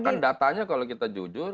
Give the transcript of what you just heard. kan datanya kalau kita jujur